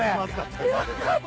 よかった！